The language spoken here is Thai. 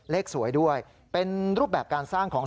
เลขสวยด้วยเป็นรูปแบบการสร้างของ